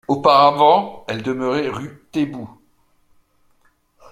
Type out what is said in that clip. Auparavant, elle demeurait rue Taitbout.